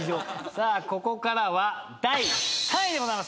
さあここからは第３位でございます。